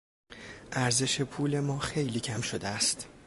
ارزش پول ما خیلی کم شده است.